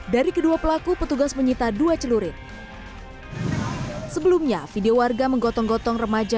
dari kedua pelaku petugas menyita dua celurit sebelumnya video warga menggotong gotong remaja